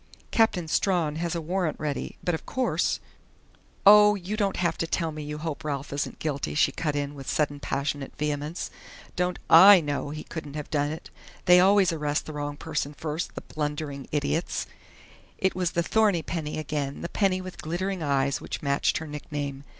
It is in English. "Captain Strawn has a warrant ready, but of course " "Oh, you don't have to tell me you hope Ralph isn't guilty!" she cut in with sudden passionate vehemence. "Don't I know he couldn't have done it? They always arrest the wrong person first, the blundering idiots " It was the thorny Penny again, the Penny with glittering eyes which matched her nickname.